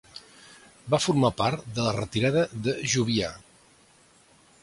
Va formar part de la retirada de Jovià.